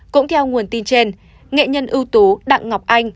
cũng theo nguồn tin trên nghệ nhân ưu tú đặng ngọc anh